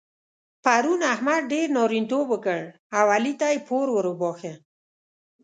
پرون احمد ډېر نارینتوب وکړ او علي ته يې پور ور وباښه.